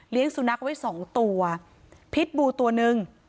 สุนัขไว้สองตัวพิษบูตัวหนึ่ง